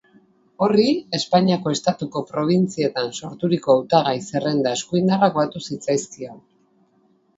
Horri Espainiako estatuko probintzietan sorturiko hautagai zerrenda eskuindarrak batu zitzaizkion.